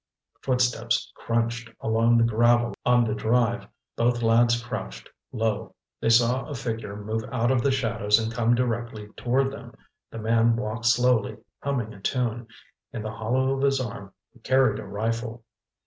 Footsteps crunched along the gravel on the drive. Both lads crouched low. They saw a dark figure move out of the shadows and come directly toward them. The man walked slowly, humming a tune. In the hollow of his arm he carried a rifle.